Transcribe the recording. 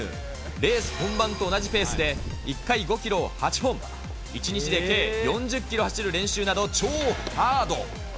レース本番と同じペースで、１回５キロを８本、１日で計４０キロ走る練習など、超ハード。